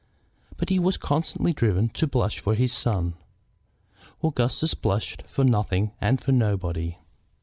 But he was constantly driven to blush for his son. Augustus blushed for nothing and for nobody.